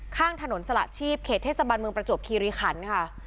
ข้างถนนสละชีพเขตเทศบาลเมืองประจวบคีรีขันค่ะ